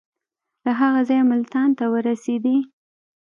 له هغه ځایه ملتان ته ورسېدی.